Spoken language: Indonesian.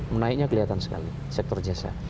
menaiknya kelihatan sekali sektor jasa